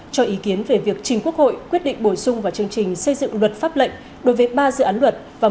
cho ý kiến về việc trình quốc hội quyết định bổ sung vào chương trình xây dựng luật pháp lệnh đối với ba dự án luật và một số nội dung quan trọng khác